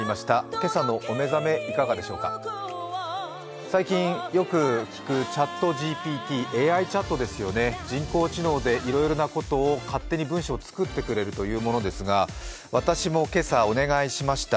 今朝のお目覚めいかがでしょうか最近、よく聞くＣｈａｔＧＰＴ、ＡＩチャットですよね、人工知能でいろいろなことを勝手に文章を作ってくれるというものですが私も今朝、お願いしました。